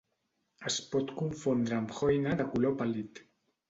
Es pot confondre amb haüyna de color pàl·lid.